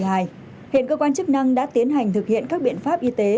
hiện cơ quan chức năng đã tiến hành thực hiện các biện pháp y tế